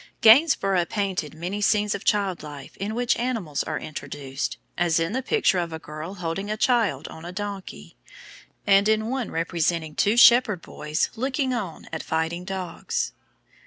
Gainsborough painted many scenes of child life in which animals are introduced, as in the picture of a girl holding a child on a donkey, and in one representing two shepherd boys looking on at fighting dogs.